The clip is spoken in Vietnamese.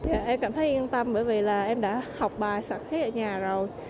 em cảm thấy yên tâm bởi vì em đã học bài sát khí ở nhà rồi